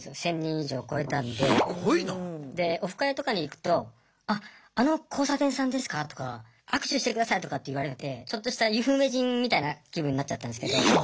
でオフ会とかに行くとあっあの交差点さんですか？とか握手してくださいとかって言われてちょっとした有名人みたいな気分になっちゃったんですけど。